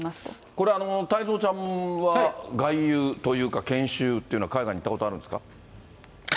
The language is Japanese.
これ、太蔵ちゃんは外遊というか、研修というのは、海外に行ったことあるんですか？